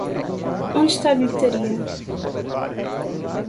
Onde está a bilheteria?